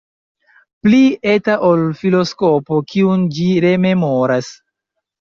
Pli eta ol filoskopo, kiun ĝi rememoras.